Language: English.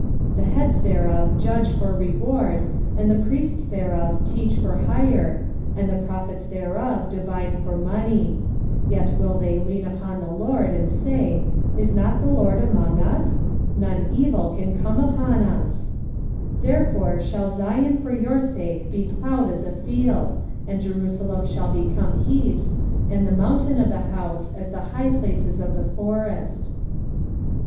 3:11 The heads thereof judge for reward, and the priests thereof teach for hire, and the prophets thereof divine for money: yet will they lean upon the LORD, and say, Is not the LORD among us? none evil can come upon us. 3:12 Therefore shall Zion for your sake be plowed as a field, and Jerusalem shall become heaps, and the mountain of the house as the high places of the forest.